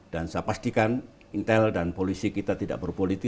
dan saya pastikan intel dan polisi kita tidak berpolitik